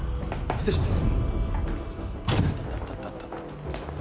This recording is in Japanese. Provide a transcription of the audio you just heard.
失礼します。